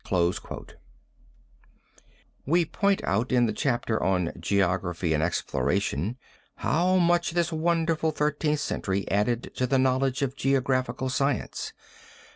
We point out in the chapter on Geography and Exploration how much this wonderful Thirteenth Century added to the knowledge of geographical science.